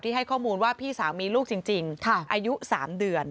ให้ข้อมูลว่าพี่สาวมีลูกจริงอายุ๓เดือน